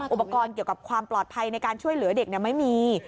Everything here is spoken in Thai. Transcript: อุปกรณ์เกี่ยวกับความปลอดภัยในการช่วยเหลือเด็กไม่มี